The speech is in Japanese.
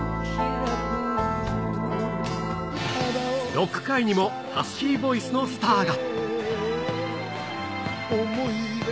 ロック界にもハスキーボイスのスターが。